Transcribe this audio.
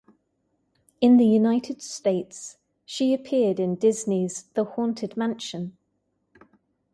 In the United States, she appeared in Disney's "The Haunted Mansion".